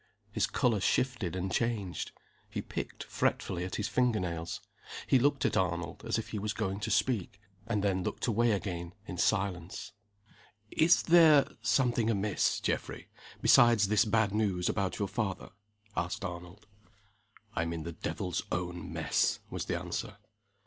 His color shifted and changed; he picked fretfully at his finger nails; he looked at Arnold as if he was going to speak and then looked away again, in silence. "Is there something amiss, Geoffrey, besides this bad news about your father?" asked Arnold. "I'm in the devil's own mess," was the answer.